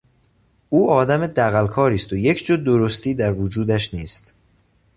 او آدم دغلکاری است و یک جو درستی در وجودش نیست.